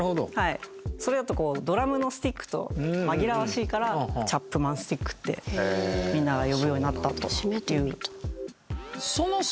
それだとドラムのスティックと紛らわしいからチャップマン・スティックってみんなが呼ぶようになったという。